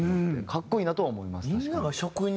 格好いいなとは思います。